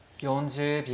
４０秒。